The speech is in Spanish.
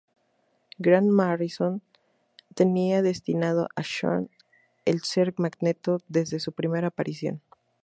Grant Morrison tenía destinado a Xorn el ser Magneto desde su primera aparición.